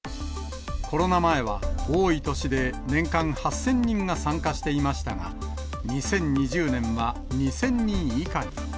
コロナ前は多い年で年間８０００人が参加していましたが、２０２０年は２０００人以下に。